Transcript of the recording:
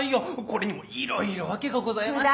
これにもいろいろ訳がございまして。